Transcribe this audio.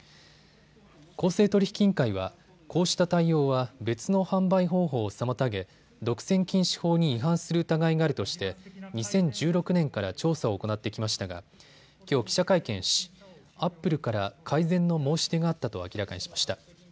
公正取引委員会はこうした対応は別の販売方法を妨げ独占禁止法に違反する疑いがあるとして２０１６年から調査を行ってきましたがきょう、記者会見しアップルから改善の申し出があったと明らかにしました。